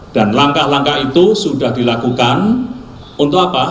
dan langkah langkah itu sudah dilakukan untuk apa